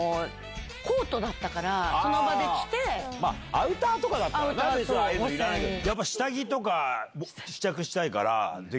アウターとかだったらああいうのいらないけど。